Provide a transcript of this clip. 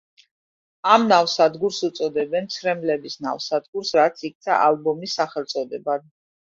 ამ ნავსადგურს უწოდებდნენ „ცრემლების ნავსადგურს“, რაც იქცა ალბომის სახელწოდებად.